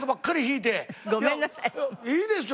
いいですよ。